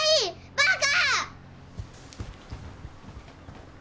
バカ！